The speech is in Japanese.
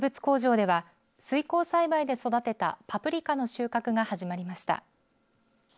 工場では水耕栽培で育てたパプリカの収穫が始まりました。